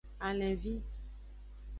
Alenvi.